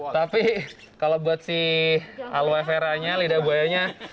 tapi kalau buat si aloe vera nya lidah buayanya